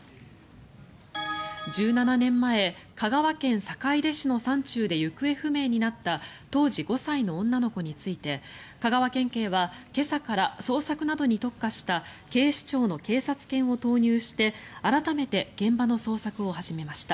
１７年前、香川県坂出市の山中で行方不明になった当時５歳の女の子について香川県警は今朝から捜索などに特化した警視庁の警察犬を投入して改めて現場の捜索を始めました。